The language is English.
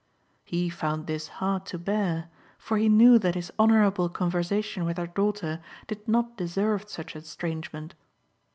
He found this hard to bear, for he knew that his honourable conversation with her daughter did not deserve such estrangement.